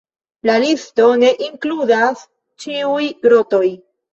La listo ne inkludas ĉiuj grotoj.